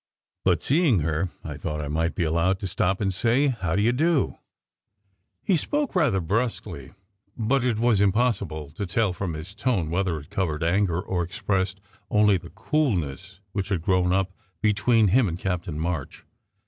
"But seeing her, I thought I might be allowed to stop and say how do you do? " 100 SECRET HISTORY He spoke rather brusquely, but it was impossible to tell from his tone whether it covered anger or expressed only the coolness which had grown up between him and Captain March.